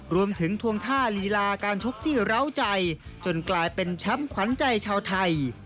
รวมถึงทวงท่าหลีระการทุกข์ที่เหล้าใจจนกลายเป็นแชมป์ขวัญใจเท่าไทย